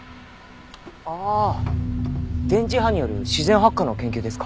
ああ電磁波による自然発火の研究ですか？